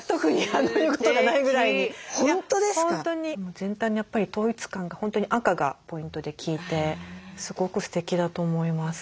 全体にやっぱり統一感が本当に赤がポイントで効いてすごくステキだと思います。